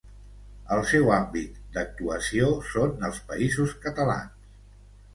El seu àmbit d'actuació són els Països Catalans.